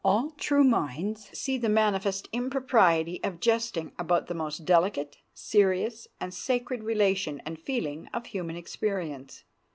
All true minds see the manifest impropriety of jesting about the most delicate, serious, and sacred relation and feeling of human experience.